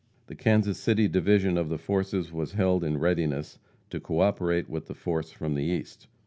The Kansas City division of the forces was held in readiness to co operate with the force from the East.